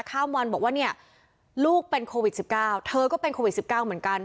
ข้าวมอนบอกว่าเนี่ยลูกเป็นโควิด๑๙เธอก็เป็นโควิด๑๙เหมือนกัน